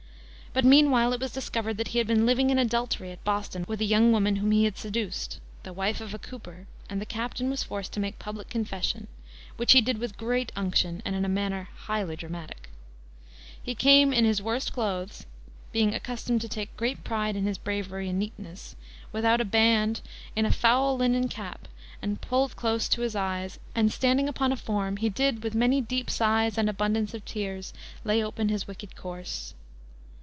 But meanwhile it was discovered that he had been living in adultery at Boston with a young woman whom he had seduced, the wife of a cooper, and the captain was forced to make public confession, which he did with great unction and in a manner highly dramatic. "He came in his worst clothes (being accustomed to take great pride in his bravery and neatness), without a band, in a foul linen cap, and pulled close to his eyes, and standing upon a form, he did, with many deep sighs and abundance of tears, lay open his wicked course."